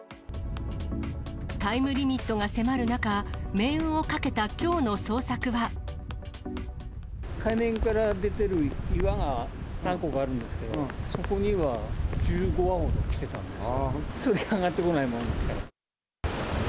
タイムリミットが迫る中、海面から出てる岩が何個かあるんですけど、そこには１５羽ほど来てたんですけど、それが上がってこないもんですから。